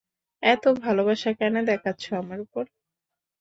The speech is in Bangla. এত ভালোবাসা কেন দেখাচ্ছো আমার উপর?